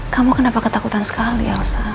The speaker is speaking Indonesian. kamu kenapa ketakutan sekali elsa